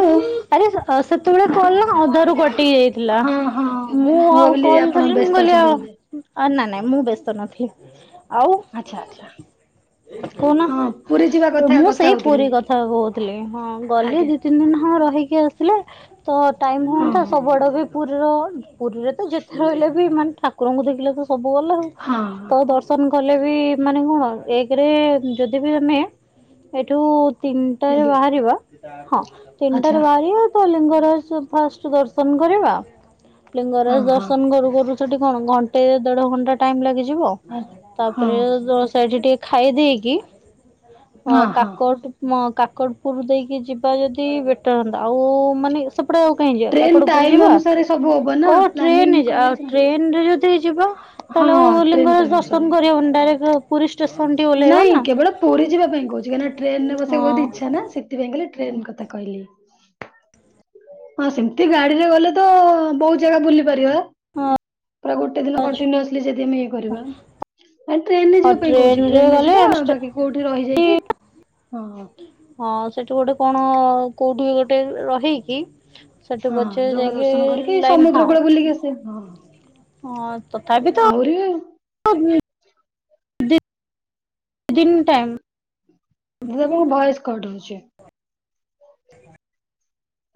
ଆଉ ଆରେ ସ ସେତେବେଳେ କଲ୍ ନା ଅଧାରୁ କଟିି ଯାଇଥିଲା। ହଁ ହଁ ମୁଁ ଆଉ ଭାବିଲି କଲ ଆପଣ କଲିନି ମୁଁ ବ୍ୟସ୍ତ କଇଲି ଅ ଅଛନ୍ତି ବୋଧେ। ଆ ନା ନାଇଁ ମୁଁ ବ୍ୟସ୍ତ ନଥିଲି। ଆଚ୍ଛା ଆଚ୍ଛା। କହୁନା ହଁ ପୁରୀ ଯିବା କଥା ମୁଁ କଥା ସେଇ ପୁରୀ ହଉଥିଲେ କଥା କହୁଥିଲି ହଁ କ ଆଜ୍ଞା ଦି ତିନି ଦିନ ହ ରହିକି ଆସିଲେ ତ ଟାଇମ ହଁ ହୁଅନ୍ତା ହଁ। ସବୁଆଡେ ବି ପୁରୀର ପୁରୀରେ ତ ଯେତେ ରହିଲେ ବି ମାନେ ଠାକୁରଙ୍କୁ ଦେଖିଲେ ତ ସବୁ ଗଲା ଆଉ। ହଁ ତ ଦର୍ଶନ କଲେ ବି ମାନେ କଣ ଏକରେ ଯଦି ବି ଆମେ ଏଠୁ ତିନିଟରେ ଏବେ ବାହାରିବା ହଁ ଆଚ୍ଛା ତିନିଟାରେ ବା ଲିୟରତ ଲିଙ୍ଗରାଜ ଫାର୍ଟସ୍ ଦର୍ଶନ କରିବା, ହଁ ଲିଙ୍ଗରାଜ ହଁ ଦର୍ଶନ କରୁ କରୁ ସେଠି କଣ ଘଣ୍ଟେ ଦେଢ଼ ଘଣ୍ଟା ଟାଇମ୍ ଲାଗିଯିବ। ହଁ ତାପରେ ହଁ ଜଷ୍ଟ ସେଠି ଟିକେ ଖାଇ ଦେଇେଇକି କ ହଁ। କାକଟ ମ କାକଡଟପୁର ଦେଇକି ଯିବା ଯଦି ବେଟର ହଅନ୍ତା ଆଉ ମାନେ ସ ସେପଟେ ଆଉ କାହିଁ ଯିବା, ଟ୍ରେନ କାକଟପୁର ଟାଇମ ଯିବା ଅନୁସାରେ ସବୁ ହବ ନା ଓ ପ୍ଲାନିଂ ଟ୍ରେନ ଯିବା କଲେ ଆଉ ସିନା ଟ୍ରେନରେ ଯଦି ଯିବା ହଁ ତାହେଲେ ଟ୍ରେନ ଲିଙ୍ଗରାଜ ଟାଇମ ଦର୍ଶନ ଅନୁସାରେ। କରିହେବନି ଡାଇରେକ୍ଟ ପୁରୀ ଷ୍ଟେସନ ଠି ଓହ୍ଲେଇବା ନାଇଁ ନା କେବଳ ପୁରୀ ଯିବା ପାଇଁ କହୁଛି କାହିଁକି ନା ଟ୍ରେନ ରେ ବସିବାକୁ ହଁ। ବହୁତ୍ ଇଚ୍ଛା ନା ସେ ସେଥିପାଇଁ ଖାଲି ଟ୍ରେନ୍ କଥା କହିଲି। ହଁ ସେମିତି ଗାଡିରେ ଗଲେ ତ ବହୁତ ଜାଗା ବୁଲି ପାରିବା। ହଁ ପୁରା ଗୋଟେ ଦିନ କଣ୍ଟିନିଅସଲି ଯଦି ଆମେ ଇଏ କରିବା ଆ ଟ୍ରେନରେ ଯିବା ପାଇଁ କହୁଛି ଟ୍ରେନରେ ଯିବା ବାକି କୋଉଠି ରହିଯାଇକି ହଁ ହଁ ସେଠି ଗୋଟେ କଣ କୋଉଠି ବି ଗୋଟେ ରହିକି ସେଠୁ ହଁ ପଛେ ଜଗା ଯାଇକି ଦର୍ଶନ କରିକି ଲାଇନ ସମୁଦ୍ର ହଁ କୂଳ ବୁଲିକି ଆସିବା ହଁ ହଁ ତଥାପିିତ ଆହୁରି ଦିଦି ଦି ଦିନ ଟାଇମ୍ ନୂଆବଉ ଭଏସ କଟ ହଉଚି।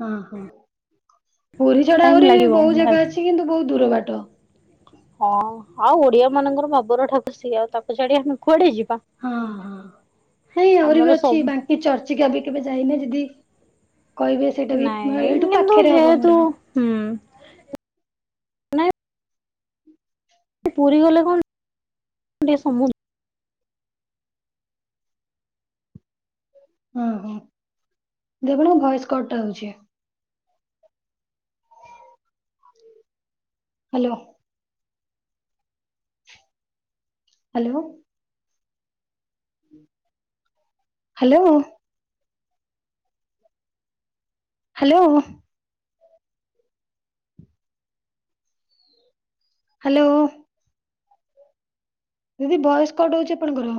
ହଁ ହଁ ପୁରୀ ଛଡା ଟାଇମ ଆହୁରି ବହୁତ ଲାଗିବ ଜାଗା ଅଛି। କିନ୍ତୁ ବହୁତ ଦୂର ବାଟ। ହଁ ଆଉ ଓଡିଆ ମାନଙ୍କର ଭାବର ଠାକୁର ସିଏ ଆଉ ତାକୁ ଛାଡି ଆମେ କୁଆଡେ ଯିବା। ହଁ ହଁ ନାଇଁ ଆହୁରି ବି ଆମର ଅଛି ସବୁ ବାଙ୍କ କି ଚର୍ଚ୍ଚିକା ବି କେବେ ଯାଇନେ ଯଦି କହିବେ ସେଇଟା ବି ଏଇଠୁ ନାଇଁକିନ୍ତୁ ପାଖରେ ହବ ଯେହତୁ ମୋର ହଁ ହୁଁ ନାଇଁ ପୁରୀ ଗଲେ କଣ ଟିକେ ସମୁଦ୍ର ଓଁ ହୋ ଦେଖୁନୁ ଭଏସ କଟ ହଉଛି hello. Hello. Hello. Hello. Hello. ଦିଦି ଭଏସ କଟ୍ ହଉଛି ଆପଣଙ୍କର।